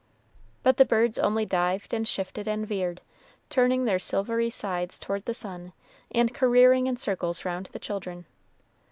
But the birds only dived and shifted and veered, turning their silvery sides toward the sun, and careering in circles round the children.